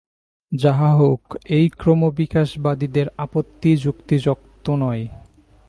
যাহা হউক, এই ক্রমবিকাশবাদীদের আপত্তি যুক্তিযুক্ত নয়।